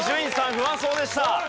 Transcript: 不安そうでした。